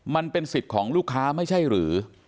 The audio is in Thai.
มันเป็นสิทธิ์ของลูกค้าไม่ใช่หรือ